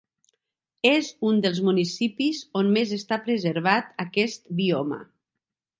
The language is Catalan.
És un dels municipis on més està preservat aquest bioma.